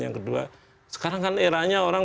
yang kedua sekarang kan eranya orang